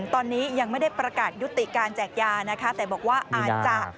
ตอนนี้ยังไม่ได้ประกาศยุติการแจกยานะคะแต่บอกว่าอาจจะ